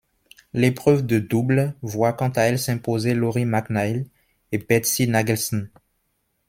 L'épreuve de double voit quant à elle s'imposer Lori McNeil et Betsy Nagelsen.